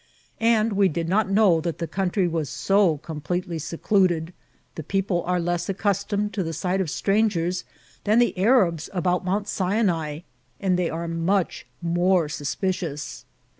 And we did not know that the country was so completely secluded ; the people are less accustomed to the sight of strangers than the Arabs about Mount Sinai, and they are much more suspicious.